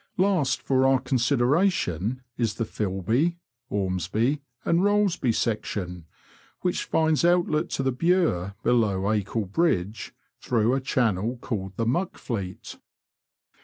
Last for our consideration is the Filby, Ormesby, and EoUesby section, which finds outlet to the Bure below Acle Bridge, through a channel called the Muck Fleet.